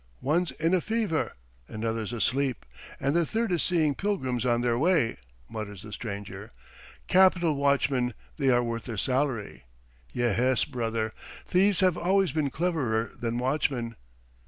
"One's in a fever, another's asleep, and the third is seeing pilgrims on their way," mutters the stranger. "Capital watchmen, they are worth their salary! Ye es, brother, thieves have always been cleverer than watchmen!